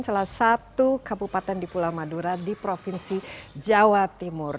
salah satu kabupaten di pulau madura di provinsi jawa timur